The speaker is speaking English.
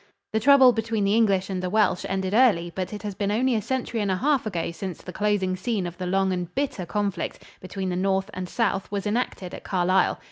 The trouble between the English and the Welsh ended early, but it has been only a century and a half ago since the closing scene of the long and bitter conflict between the north and south was enacted at Carlisle.